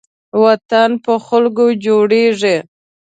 وطن په خلکو جوړېږي